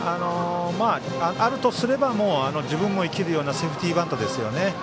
あるとすれば自分も生きるようなセーフティーバントですね。